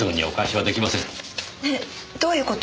ねぇどういう事？